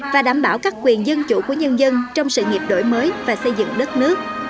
và đảm bảo các quyền dân chủ của nhân dân trong sự nghiệp đổi mới và xây dựng đất nước